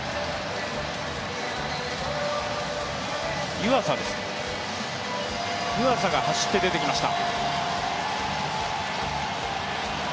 湯浅です、湯浅が走って出てきました。